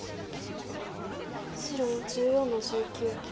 白１４の十九。